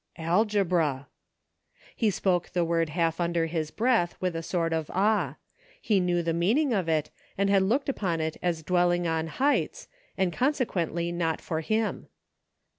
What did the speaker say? "Algebra." He spoke the word half under his breath, with a sort of awe ; he knew the meaning of it, and had looked upon it as dwelling on heights, and consequently not for him.